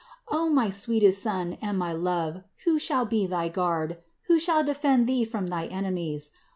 O my sweetest Son and my love, who shall be thy guard, who shall defend Thee from thy enemies?